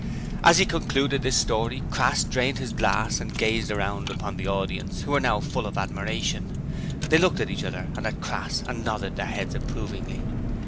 As he concluded this story, Crass drained his glass and gazed round upon the audience, who were full of admiration. They looked at each other and at Crass and nodded their heads approvingly.